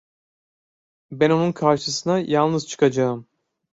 Ben onun karşısına yalnız çıkacağım…